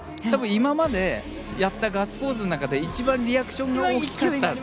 多分、今までやったガッツポーズの中で一番リアクションが大きかった。